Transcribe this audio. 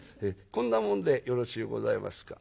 こんなもんでよろしゅうございますか？」。